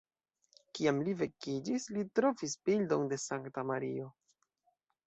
Kiam li vekiĝis, li trovis bildon de Sankta Mario.